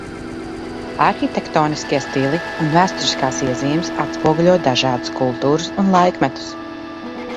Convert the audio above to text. Arhitektoniskie stili un vēsturiskās iezīmes atspoguļo dažādas kultūras un laikmetus.